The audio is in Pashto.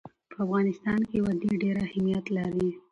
په افغانستان کې وادي ډېر اهمیت لري.